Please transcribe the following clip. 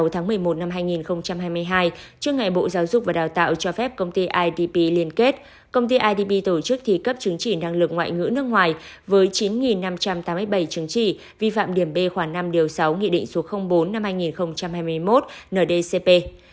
trước ngày bộ giáo dục và đào tạo cho phép công ty idp liên kết công ty idp tổ chức thi cấp chứng chỉ năng lực ngoại ngữ nước ngoài với chín năm trăm tám mươi bảy chứng chỉ vi phạm điểm b khoảng năm sáu nghị định số bốn hai nghìn hai mươi một ndcp